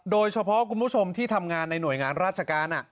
คุณผู้ชมที่ทำงานในหน่วยงานราชการ